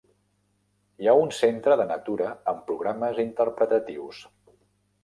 Hi ha un centre de natura amb programes interpretatius.